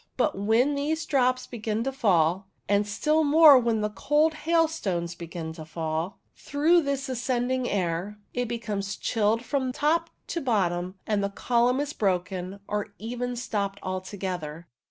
But when these drops begin to fall, and still more when cold ha.ilstones begin to fall Q 114 CUMULO NIMBUS through this ascending air, it becomes chilled from top to bottom, and the column is broken or even stopped altogether.